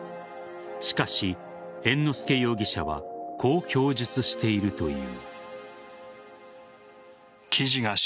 しかし、猿之助容疑者はこう供述しているという。